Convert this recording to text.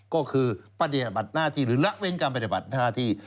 ก็คือปฏิบัติหน้าที่หรือละเว้นการปฏิบัติหน้าที่